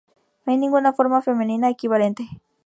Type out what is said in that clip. No hay ninguna forma femenina equivalente.